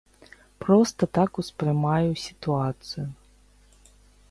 Проста так успрымаю сітуацыю.